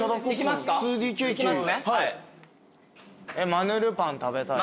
マヌルパン食べたいな。